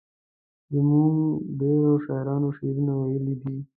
زموږ ډیرو شاعرانو شعرونه ویلي دي.